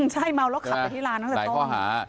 ใช่เมาแล้วขับไปที่ร้านตั้งแต่ต้นข้อหา